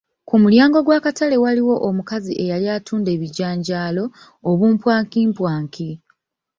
Ku mulyango gw'akatale waaliwo omukazi eyali atuunda abijanjaalo, obumpwankimpwaki.